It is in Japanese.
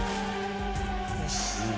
よし。